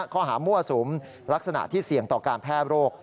ข้อหามั่วสุมลักษณะที่เสี่ยงต่อการแพร่โรค